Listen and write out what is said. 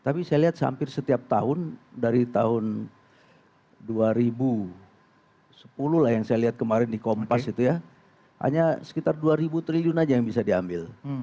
tapi saya lihat hampir setiap tahun dari tahun dua ribu sepuluh lah yang saya lihat kemarin di kompas itu ya hanya sekitar dua triliun aja yang bisa diambil